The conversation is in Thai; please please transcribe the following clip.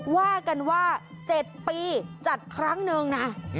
ว่ากันว่า๗ปีจัดครั้งหนึ่งนะ